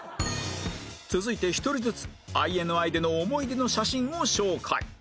続いて１人ずつ ＩＮＩ での思い出の写真を紹介